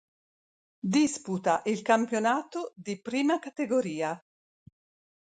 Disputa il Campionato di Prima Categoria.